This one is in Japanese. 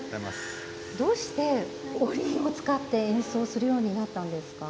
どうして、おりんを使って演奏するようになったんですか。